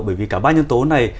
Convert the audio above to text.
bởi vì cả ba nhân tố này